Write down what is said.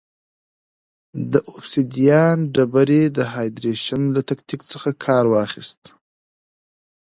د اوبسیدیان ډبرې د هایدرېشن له تکتیک څخه کار واخیست.